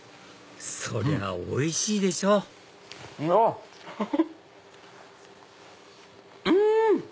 そりゃおいしいでしょあっフフフ！うん！